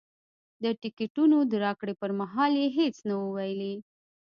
د ټکټونو د راکړې پر مهال یې هېڅ نه وو ویلي.